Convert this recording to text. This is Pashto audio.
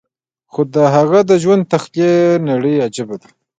خو د هغه د ژوند تخيلي نړۍ عجيبه وه.